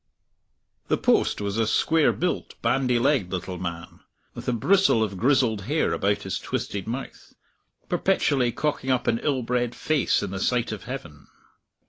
The post was a square built, bandy legged little man, with a bristle of grizzled hair about his twisted mouth, perpetually cocking up an ill bred face in the sight of Heaven.